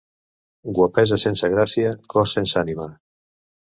Guapesa sense gràcia, cos sense ànima.